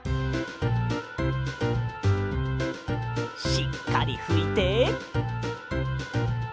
しっかりふいて。